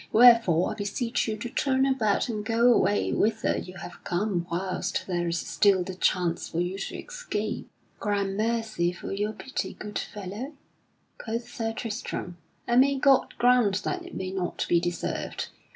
Wherefore I beseech you to turn about and go away whither you have come whilst there is still the chance for you to escape." [Sidenote: Sir Tristram sends challenge to Sir Nabon] "Gramercy for your pity, good fellow," quoth Sir Tristram, "and may God grant that it may not be deserved.